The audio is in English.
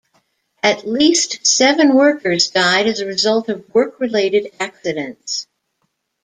At least seven workers died as a result of work-related accidents.